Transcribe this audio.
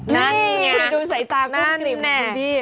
นี่ดูใส่จากุ้งกลิ่มคุณดี